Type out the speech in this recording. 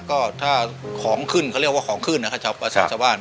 ก็ถ้าของขึ้นเขาเรียกว่าของขึ้นนะครับภาษาชาวบ้าน